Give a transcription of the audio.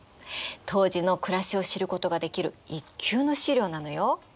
当時の暮らしを知ることができる一級の資料なのよ。